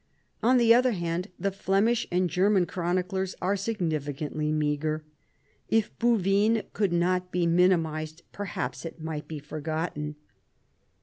On the other hand, the Flemish and German chroniclers are significantly meagre. If Bouvines could not be minimised, perhaps it might be forgotten.